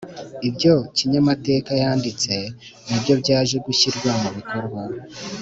ibyo kinyamateka yanditse nibyo byaje gushyirwa mu bikorwa